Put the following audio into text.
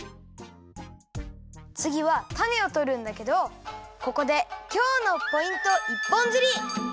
つぎはたねをとるんだけどここで今日のポイント一本釣り！